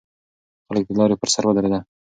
خلک د لارې پر سر ودرېدل.